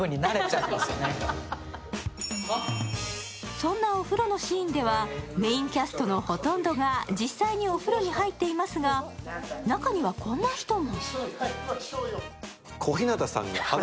そんなお風呂のシーンでは、メインキャストのほとんどが実際にお風呂に入っていますが中にはこんな人も。